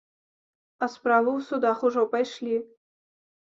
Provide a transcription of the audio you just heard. А справы ў судах ужо пайшлі!